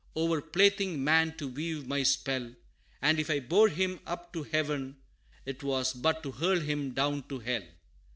O'er plaything man to weave my spell, And if I bore him up to heaven, 'Twas but to hurl him down to hell.